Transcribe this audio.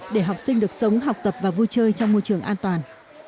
để học sinh được sống học tập và vui chơi trong môi trường an toàn